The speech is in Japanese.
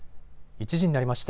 １時になりました。